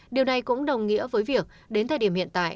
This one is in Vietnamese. điều này cũng đồng nghĩa với việc đến thời điểm hiện tại